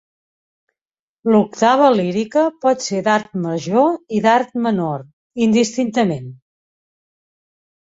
L'octava lírica pot ser d'Art major i d'Art menor, indistintament.